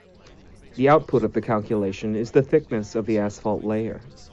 The output of the calculation is the thickness of the asphalt layer.